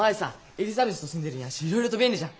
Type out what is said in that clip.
エリザベスと住んでるんやしいろいろと便利じゃん。